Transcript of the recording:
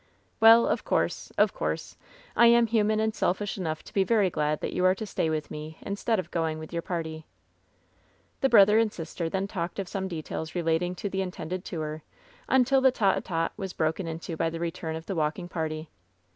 "Well, of course — of course. I am human and selfish enough to be very glad that you are to stay with me in stead of going with your party.'^ The brother and sister then talked of some details re lating to the intended tour, tmtil the tete a tete was broken into by the return of the walking party.